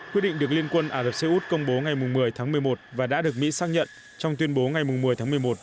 quyết định được liên quân ả rập xê út công bố ngày một mươi tháng một mươi một và đã được mỹ xác nhận trong tuyên bố ngày một mươi tháng một mươi một